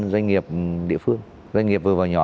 doanh nghiệp địa phương doanh nghiệp vừa vào nhỏ